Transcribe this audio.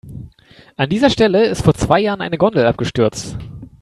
An dieser Stelle ist vor zwei Jahren eine Gondel abgestürzt.